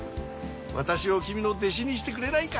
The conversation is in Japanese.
私をキミの弟子にしてくれないか？